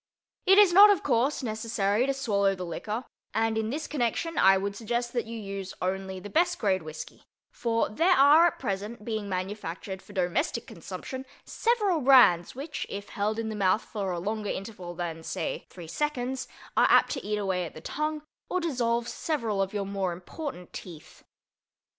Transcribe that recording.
It is not, of course, necessary to swallow the liquor and in this connection I would suggest that you use only the best grade whisky, for there are at present being manufactured for domestic consumption several brands which, if held in the mouth for a longer interval than, say, three seconds, are apt to eat away the tongue or dissolve several of your more important teeth.